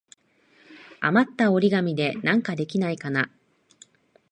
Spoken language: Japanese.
あまった折り紙でなんかできないかな。